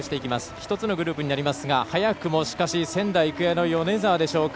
１つのグループになりますが早くも仙台育英の米澤でしょうか。